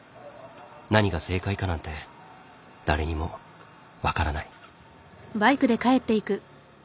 何が正解かなんて誰にも分からない。